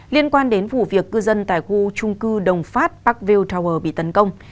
liên quan đến vụ việc cư dân tại khu trung cư đồng phát parkville tower bị tấn công